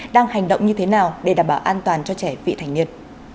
đang hành động như thế nào để đảm bảo an toàn cho trẻ vị thành niên